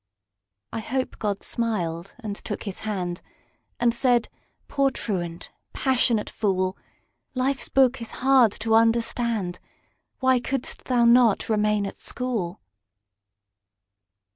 I hope God smiled and took his hand, And said, "Poor truant, passionate fool! Life's book is hard to understand:Why couldst thou not remain at school?"